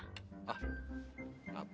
saya kan gak salah apa apa